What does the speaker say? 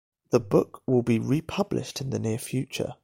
The book will be republished in the near future.